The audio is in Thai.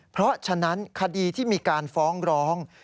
เพราะฉะนั้นคดีที่มีการฟ้องร้อง